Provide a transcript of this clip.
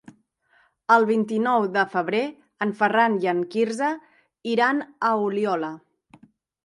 El vint-i-nou de febrer en Ferran i en Quirze iran a Oliola.